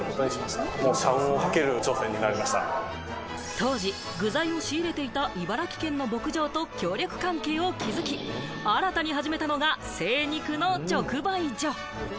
当時、具材を仕入れていた茨城県の牧場と協力関係を築き、新たに始めたのが精肉の直売所。